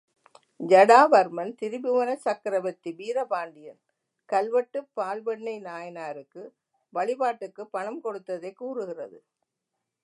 ஜடாவர்மன் திரிபுவனச் சக்கரவர்த்தி வீர பாண்டியன் கல்வெட்டு பால்வெண்ணெய் நாயனாருக்கு வழிபாட்டுக்குப் பணம் கொடுத்ததைக் கூறுகிறது.